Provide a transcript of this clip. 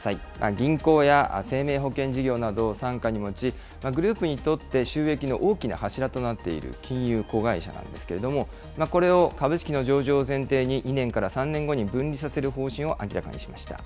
銀行や生命保険事業などを傘下に持ち、グループにとって収益の大きな柱となっている金融子会社なんですけれども、これを株式の上場を前提に、２年から３年後に分離させる方針を明らかにしました。